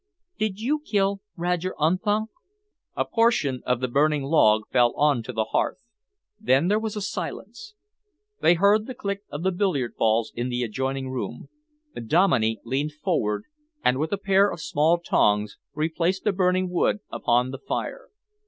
"Did you kill Roger Unthank?" A portion of the burning log fell on to the hearth. Then there was silence. They heard the click of the billiard balls in the adjoining room. Dominey leaned forward and with a pair of small tongs replaced the burning wood upon the fire.